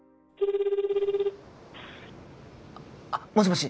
あっもしもし？